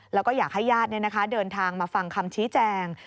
แล้วก็อยากให้ญาติเดินทางมาฟังคำชี้แจง